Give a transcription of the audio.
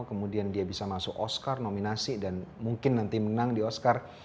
kemudian dia bisa masuk oscar nominasi dan mungkin nanti menang di oscar